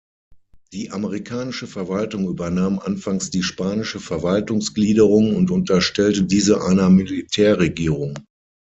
Die amerikanische Verwaltung übernahm anfangs die spanische Verwaltungsgliederung und unterstellte diese einer Militärregierung.